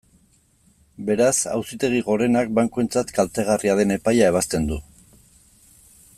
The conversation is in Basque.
Beraz, Auzitegi Gorenak bankuentzat kaltegarria den epaia ebazten du.